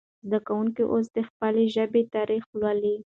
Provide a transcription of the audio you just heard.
زده کوونکي اوس د خپلې ژبې تاریخ لولي.